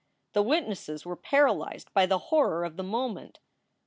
The witnesses were paralyzed by the horror of the moment.